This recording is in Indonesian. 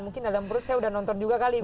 mungkin dalam perut saya udah nonton juga kali